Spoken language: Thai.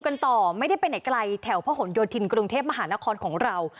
กันต่อไม่ได้ไปไหนไกลแถวพระหลโยธินกรุงเทพมหานครของเรา